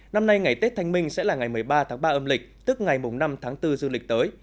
năm nay ngày tết thanh minh sẽ là ngày một mươi ba tháng ba âm lịch tức ngày năm tháng bốn dư lịch tới